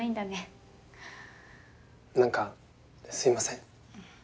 なんかすいません。